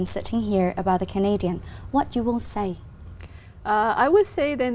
từ tháng tháng tháng đến tháng tháng